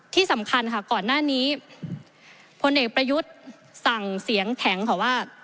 ที่สำคัญค่ะก่อนหน้านี้พลเอกประยุทธ์สั่งเสียงแข็งค่ะว่า